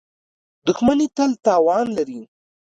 • دښمني تل تاوان لري.